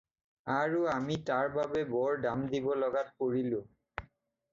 আৰু আমি তাৰ বাবে বৰ দাম দিব লগাত পৰিলোঁ।